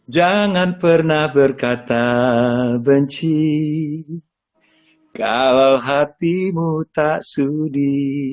jangan pernah berkata benci kalau hatimu tak sudi